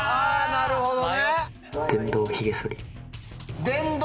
なるほどね。